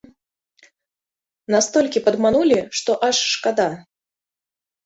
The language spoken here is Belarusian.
Настолькі падманулі, што аж шкада.